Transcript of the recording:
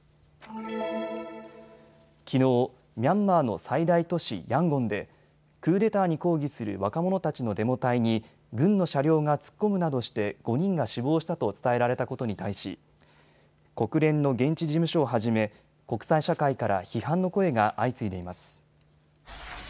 きのうミャンマーの最大都市ヤンゴンでクーデターに抗議する若者たちのデモ隊に軍の車両が突っ込むなどして５人が死亡したと伝えられたことに対し国連の現地事務所をはじめ国際社会から批判の声が相次いでいます。